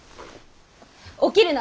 起きるな！